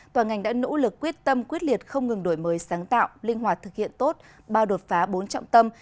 toàn ngành đã nỗ lực quyết tâm quyết liệt không ngừng đổi mới sáng tạo linh hoạt thực hiện tốt ba đột phá bốn trọng tâm